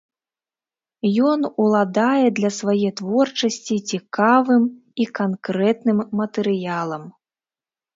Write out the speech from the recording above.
Ён уладае для свае творчасці цікавым і канкрэтным матэрыялам.